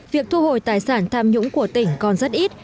việc thu hồi tài sản tham nhũng của tỉnh còn rất ít